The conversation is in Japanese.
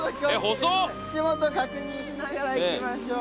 足元確認しながら行きましょう。